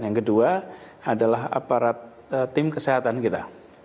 yang kedua adalah aparat tim kesehatan kita